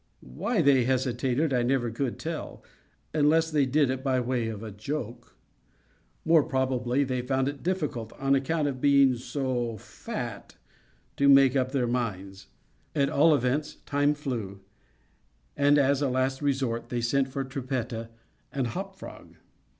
Why they hesitated I never could tell, unless they did it by way of a joke. More probably, they found it difficult, on account of being so fat, to make up their minds. At all events, time flew; and, as a last resort they sent for Trippetta and Hop Frog.